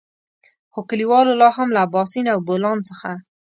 خو کليوالو لاهم له اباسين او بولان څخه.